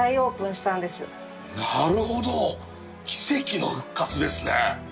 なるほど奇跡の復活ですね！